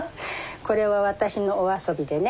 これは私のお遊びでね。